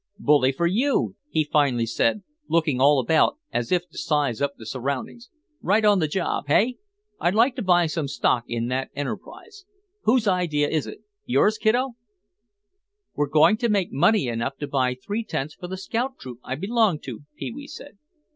"Bully for you," he finally said, looking all about as if to size up the surroundings. "Right on the job, hey? I'd like to buy some stock in that enterprise. Whose idea is it? Yours, kiddo?" "We're going to make money enough to buy three tents for the scout troop I belong to," Pee wee said.